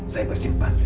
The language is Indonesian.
saya bersikap baik